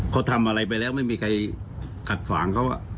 เขาทำอะไรไปแล้วไม่มีใครขัดฝางเขา